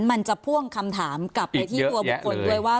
มันจะพ่วงคำถามกลับไปที่ตัวบุคคลด้วยว่า